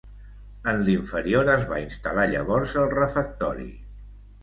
En l'inferior es va instal·lar llavors el refectori.